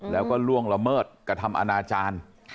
แล้วก็ล่วงละเมิดกระทำอนาจารย์